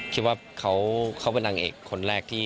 คิดว่าเขาเป็นนางเอกคนแรกที่